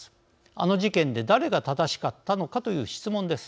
あの事件で誰が正しかったのかという質問です。